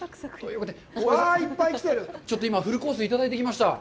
ちょっと今、フルコースいただいてきました。